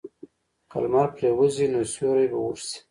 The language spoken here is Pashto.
که لمر پرېوځي، نو سیوری به اوږد شي.